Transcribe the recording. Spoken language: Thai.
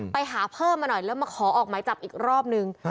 ไปหาเพิ่มมาหน่อยแล้วมาขอออกหมายจับอีกรอบนึง